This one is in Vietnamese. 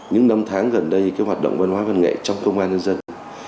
những năm tháng gần đây hoạt động văn hóa văn nghệ trong công an nhân dân